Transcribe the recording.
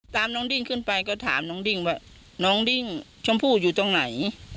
น้องดิ้งขึ้นไปก็ถามน้องดิ้งว่าน้องดิ้งชมพู่อยู่ตรงไหน